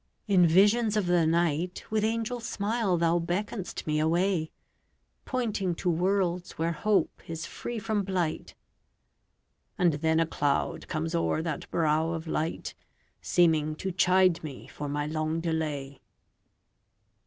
In visions of the night With angel smile thou beckon'st me away, Pointing to worlds where hope is free from blight; And then a cloud comes o'er that brow of light, Seeming to chide me for my long delay.